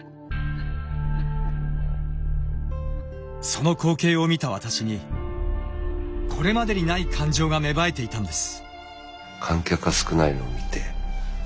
その光景を見た私にこれまでにない感情が芽生えていたんです。